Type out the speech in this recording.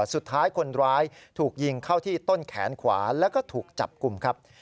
สุดท้ายคนร้ายถูกยิงเข้าที่ต้นแขนขวาแล้วก็ถูกจับกลุ่มครับ